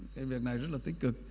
cái việc này rất là tích cực